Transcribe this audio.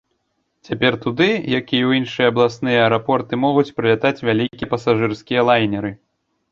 Цяпер туды, як і ў іншыя абласныя аэрапорты, могуць прылятаць вялікія пасажырскія лайнеры.